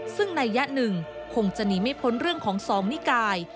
ซึ่งในยะหนึ่งคงจะหนีไม่พ้นเรื่องของสองนิกาย